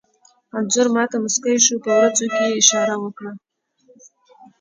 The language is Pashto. انځور ما ته موسکی شو، په وروځو کې یې اشاره وکړه.